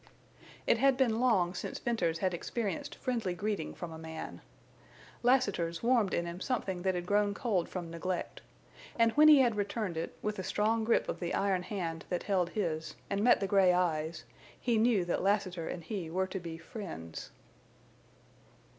It had been long since Venters had experienced friendly greeting from a man. Lassiter's warmed in him something that had grown cold from neglect. And when he had returned it, with a strong grip of the iron hand that held his, and met the gray eyes, he knew that Lassiter and he were to be friends.